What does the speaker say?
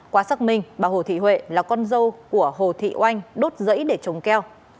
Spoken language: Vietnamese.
quá xác minh bà hồ thị huệ là con dâu của hồ thị oanh đốt rẫy để trồng keo